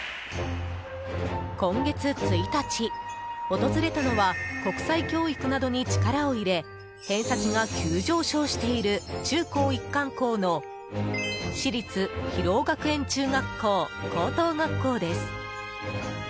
今月１日、訪れたのは国際教育などに力を入れ偏差値が急上昇している中高一貫校の私立広尾学園中学校・高等学校です。